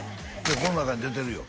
この中に出てるよ